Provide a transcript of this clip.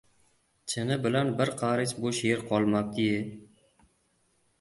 — Chini bilan bir qarich bo‘sh yer qolmabdi-ye.